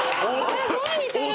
すごい似てる！